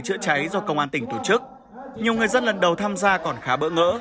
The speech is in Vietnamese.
chữa cháy do công an tỉnh tổ chức nhiều người dân lần đầu tham gia còn khá bỡ ngỡ